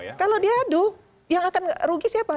nah kalau diadu yang akan rugi siapa